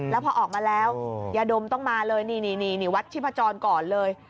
แล้วพอออกมาแล้วยาดมต้องมาเลยนี่วัดชิพจรก่อนเลย